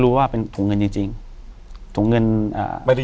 อยู่ที่แม่ศรีวิรัยิลครับ